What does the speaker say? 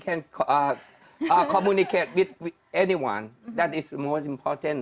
dia bisa berkomunikasi dengan semua orang